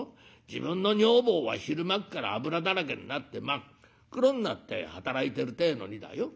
自分の女房は昼間っから油だらけになって真っ黒になって働いてるってえのにだよ